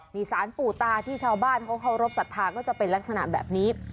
มีสารปู่ตาที่ชาวบ้านเขาเคารพสัทธาก็จะเป็นลักษณะแบบนี้